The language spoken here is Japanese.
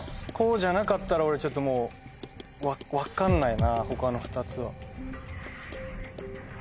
こうじゃなかったら俺ちょっともう分かんないな他の２つは。